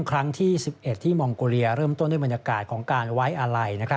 ครั้งที่๑๑ที่มองโกเลียเริ่มต้นด้วยบรรยากาศของการไว้อาลัย